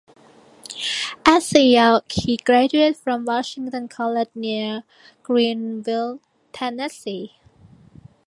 As a youth he graduated from Washington College near Greeneville, Tennessee.